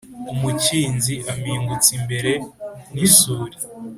Umukinzi ampingutse imbere n’isuli,